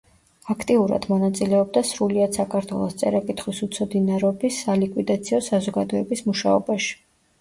აქტიურად მონაწილეობდა სრულიად საქართველოს წერა-კითხვის უცოდინარობის სალიკვიდაციო საზოგადოების მუშაობაში.